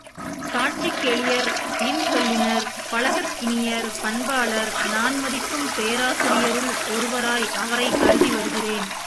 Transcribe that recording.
காட்சிக்கெளியர் இன் சொல்லினர் பழகற்கினியர் பண்பாளர் நான் மதிக்கும் பேராசிரியருள் ஒருவராய் அவரைக் கருதிவருகிறேன்.